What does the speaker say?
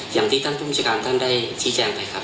อย่างที่ท่านภูมิชาการท่านได้ชี้แจงไปครับ